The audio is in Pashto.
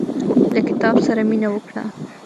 له کتاب سره مينه وکړه.